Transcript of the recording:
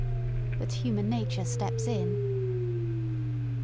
But human nature steps in.